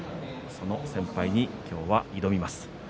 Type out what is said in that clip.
その先輩に今日は挑みます。